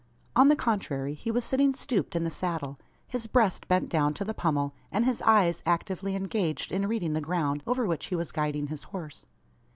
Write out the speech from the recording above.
On the contrary, he was sitting stooped in the saddle, his breast bent down to the pommel, and his eyes actively engaged in reading the ground, over which he was guiding his horse.